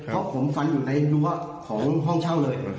เพราะผมฟันอยู่ในรั้วของห้องเช่าเลย